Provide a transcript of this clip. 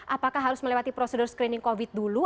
apakah harus melewati prosedur screening covid dulu